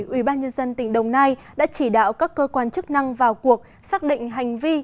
ủy ban nhân dân tỉnh đồng nai đã chỉ đạo các cơ quan chức năng vào cuộc xác định hành vi